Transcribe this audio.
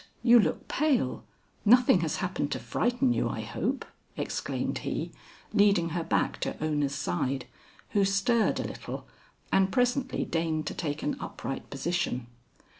you look pale. Nothing has happened to frighten you I hope," exclaimed he, leading her back to Ona's side, who stirred a little, and presently deigned to take an upright position.